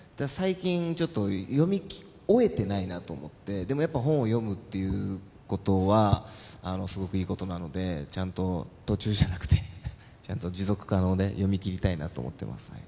最近読み終えてないなと思ってでもやっぱ本を読むっていうことはすごくいいことなのでちゃんと途中じゃなくてちゃんと持続可能で読み切りたいなと思ってます